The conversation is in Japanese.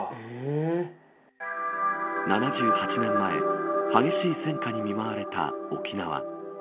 ７８年前激しい戦火に見舞われた沖縄。